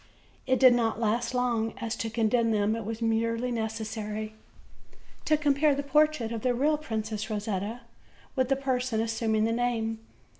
It did not last long, as to condemn them it was merely necessary to compare the portrait of the real Princess Rosetta with the person assuming the name.